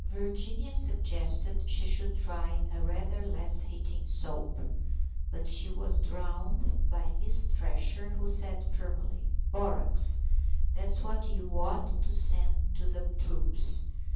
Virginia suggested she should try a rather less heating soap; but she was drowned by Miss Thresher, who said firmly, "Borax; that's what you ought to send to the troops.